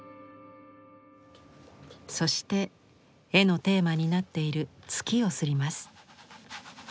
そして絵のテーマになっている月を摺ります。